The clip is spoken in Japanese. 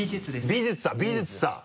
美術さん美術さん！